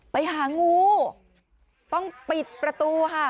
ไปหางูต้องปิดประตูค่ะ